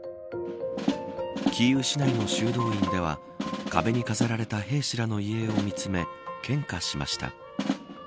キーウ市内の修道院では壁に飾られた兵士らの遺影を見つめ献花しました。